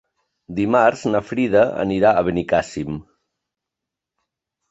Dimarts na Frida anirà a Benicàssim.